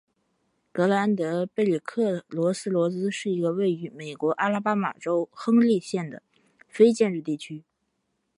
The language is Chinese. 格兰德贝里克罗斯罗兹是一个位于美国阿拉巴马州亨利县的非建制地区。